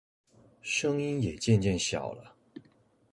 声音也渐渐小了